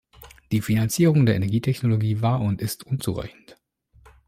Die Finanzierung der Energietechnologie war und ist unzureichend.